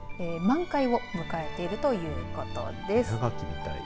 満開を迎えているということです。